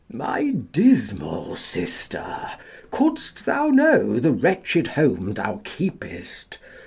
My dismal sister! Couldst thou know The wretched home thou keepest!